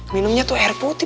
minumnya tuh air putih